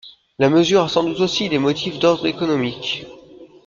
La mesure a sans doute aussi des motifs d'ordre économique.